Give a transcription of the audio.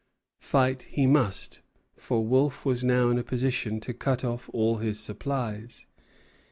Fight he must, for Wolfe was now in a position to cut off all his supplies.